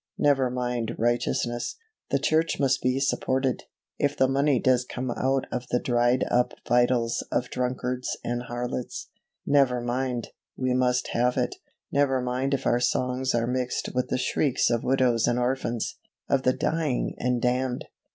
Never mind righteousness the church must be supported, if the money does come out of the dried up vitals of drunkards and harlots; never mind, we must have it. Never mind if our songs are mixed with the shrieks of widows and orphans, of the dying and damned!